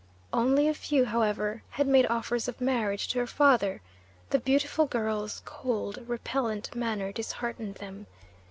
Only a few, however, had made offers of marriage to her father; the beautiful girl's cold, repellent manner disheartened them.